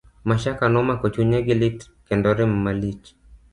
Mashaka nomako chunye gi lit kendo rem malich.